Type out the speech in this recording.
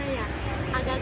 agak agak takut juga sih